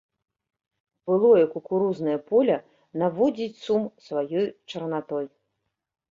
Былое кукурузнае поле наводзіць сум сваёй чарнатой.